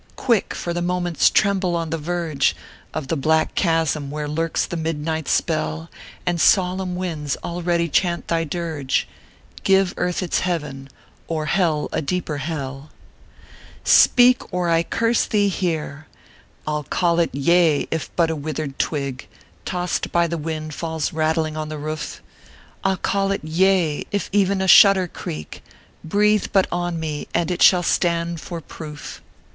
Quick 1 for the moments tremble on the verge Of the black chasm where lurks the midnight spell, And solemn winds already chant thy dirge Give Earth its Heaven, or Hell a deeper Hell I " Speak ! or I curse thee here ! I ll call it YEA if but a withered twig, Tossed by the wind, falls rattling on the roof; I ll call it YEA, if e en a shutter creak, Breathe but on me, and it shall stand for proof!